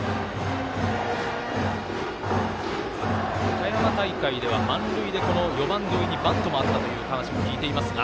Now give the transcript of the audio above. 岡山大会では満塁で４番、土井にバントがあったという話も聞いていますが。